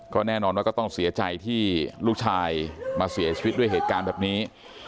ก็แน่นอนว่าก็ต้องเสียใจที่ลูกชายมาเสียชีวิตด้วยเหตุการณ์แบบนี้